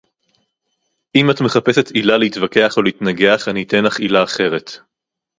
אם את מחפשת עילה להתווכח או להתנגח - אני אתן לך עילה אחרת